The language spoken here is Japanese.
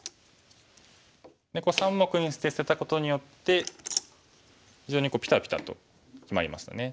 ３目にして捨てたことによって非常にピタピタと決まりましたね。